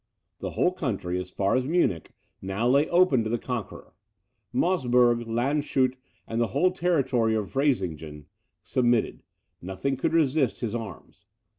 The whole country, as far as Munich, now lay open to the conqueror. Mosburg, Landshut, and the whole territory of Freysingen, submitted; nothing could resist his arms.